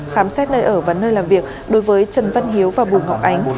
khám xét nơi ở và nơi làm việc đối với trần văn hiếu và bùa ngọc ánh